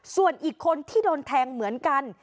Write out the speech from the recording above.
ส่วนอีกคนที่โดนแทงเหมือนกัน